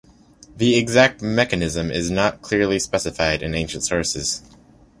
The exact mechanism is not clearly specified in ancient sources.